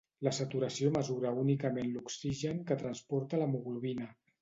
La saturació mesura únicament l'oxigen que transporta l'hemoglobina.